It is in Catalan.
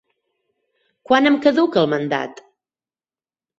Quan em caduca el mandat?